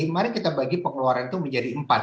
mari kita bagi pengeluaran itu menjadi empat